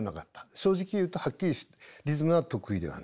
正直言うとはっきりリズムは得意ではない。